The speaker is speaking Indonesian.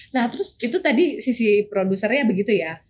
nah terus itu tadi sisi produsernya begitu ya